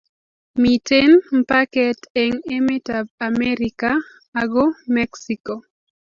Miten mpaket eng emetab America ago mexico